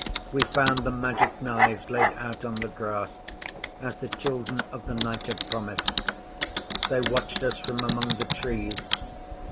We found the Magic Knives laid out on the grass, as the Children of the Night had promised. They watched us from among the Trees.